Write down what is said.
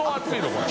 これ。